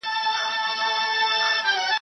زما امام دی ..